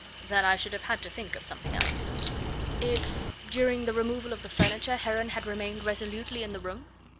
"Then I should have had to think of something else." "If during the removal of the furniture Heron had remained resolutely in the room?"